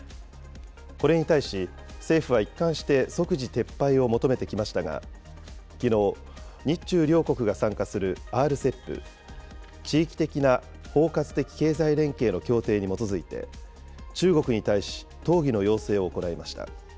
これに対し、政府は一貫して即時撤廃を求めてきましたが、きのう、日中両国が参加するＲＣＥＰ・地域的な包括的経済連携の協定に基づいて、中国に対し討議の要請を行いました。